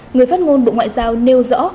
người phát ngôn bộ ngoại giao nêu rõ